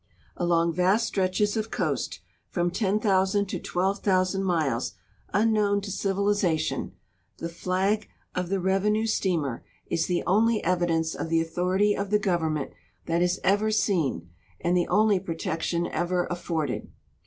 Along vast stretches of coast ( from 10,000 to 12,000 miles) unknown to civilization, the flag of the revenue steamer is the only evidence of the authority of the Government that is ever seen and the only protection ever afforded.